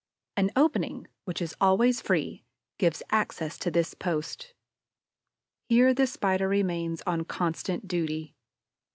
An opening, which is always free, gives access to this post. Here the Spider remains on constant duty.